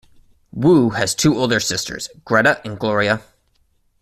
Wu has two older sisters, Greta and Gloria.